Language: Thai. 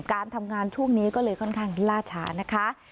การทำงานช่วงนี้ก็เลยค่อนข้างล่าช้านะคะ